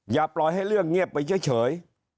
อย่าปล่อยให้เรื่องเงียบไปเฉย